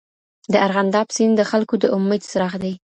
د ارغنداب سیند د خلکو د امید څراغ دی.